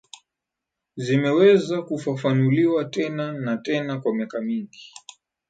zimeweza kufafanuliwa tena na tena kwa miaka mingi